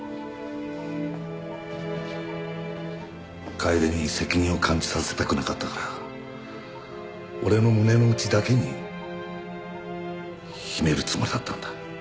楓に責任を感じさせたくなかったから俺の胸の内だけに秘めるつもりだったんだ。